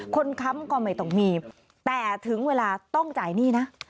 ค้ำก็ไม่ต้องมีแต่ถึงเวลาต้องจ่ายหนี้นะ